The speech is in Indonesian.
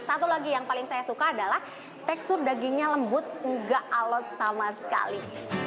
satu lagi yang paling saya suka adalah tekstur dagingnya lembut nggak alot sama sekali